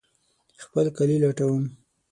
خپل کالي لټوم